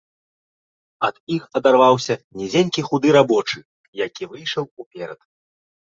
Ад іх адарваўся нізенькі худы рабочы, які выйшаў уперад.